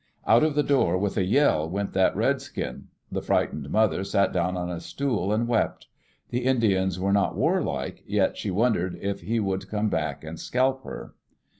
Out of the door, with a yell, went that redskin. The frightened mother sat down on a stool and wept. The Indians were not warlike, yet she wondered if he would come back and scalp her.